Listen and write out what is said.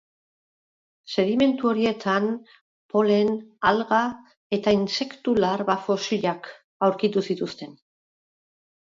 Sedimentu horietan polen, alga eta intsektu larba fosilak aurkitu zituzten.